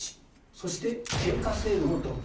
そして定価制度の導入。